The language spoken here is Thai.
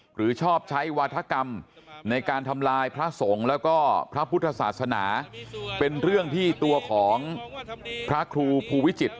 หรือชอบใช้วาธกรรมในการทำลายพระสงฆ์แล้วก็พระพุทธศาสนาเป็นเรื่องที่ตัวของพระครูภูวิจิตร